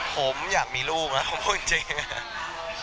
ผมอยากมีลูกนะผมพูดจริงอะ